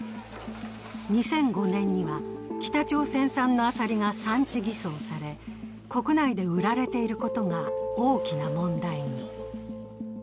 ２００５年には北朝鮮産のアサリが産地偽装され、国内で売られていることが大きな問題に。